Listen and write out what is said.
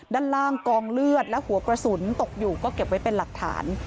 ด้านล่างกองเลือดและหัวกระสุนตกอยู่ก็เก็บไว้เป็นหลักฐาน